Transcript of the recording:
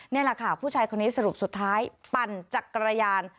นี่แหละค่ะผู้ชายคนนี้สรุปสุดท้ายปั่นจักรยาน